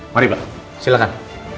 mari pak silahkan